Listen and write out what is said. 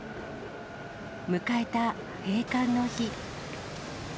迎えた閉館の日。